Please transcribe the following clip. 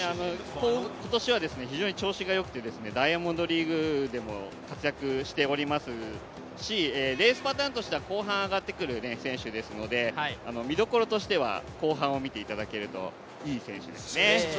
今年は非常に調子がよくて、ダイヤモンドリーグでも活躍しておりますしレースパターンとしては後半上がってくる選手ですので見どころとしては後半を見てほしい選手ですね。